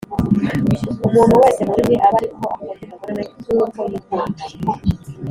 Umuntu wese muri mwe abe ari ko akunda umugore we nk uko yikunda